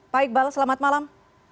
pak iqbal selamat malam